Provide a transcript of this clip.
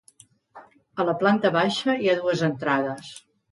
A la planta baixa hi ha dues entrades.